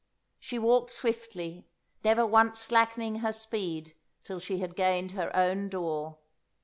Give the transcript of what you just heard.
She walked swiftly, never once slackening her speed till she had gained her own door.